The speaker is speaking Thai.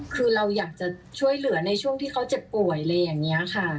คือเราอยากจะช่วยเหลือในช่วงที่เขาเจ็บป่วยอะไรอย่างนี้ค่ะ